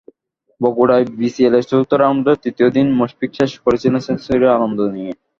বগুড়ায় বিসিএলের চতুর্থ রাউন্ডের তৃতীয় দিন মুশফিক শেষ করেছিলেন সেঞ্চুরির আনন্দ নিয়ে।